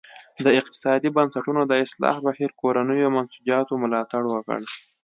د اقتصادي بنسټونو د اصلاح بهیر کورنیو منسوجاتو ملاتړ وکړ.